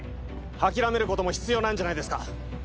諦めることも必要なんじゃないですか？